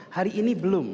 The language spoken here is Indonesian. hari ini belum